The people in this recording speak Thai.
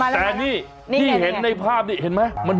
หยิงแต่เนี้ย